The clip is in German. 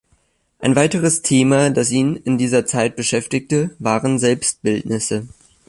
Ein weiteres Thema, das ihn in dieser Zeit beschäftigte, waren Selbstbildnisse.